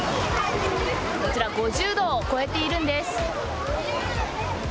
こちら５０度を超えているんです。